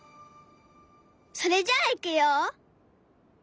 それじゃあいくよ。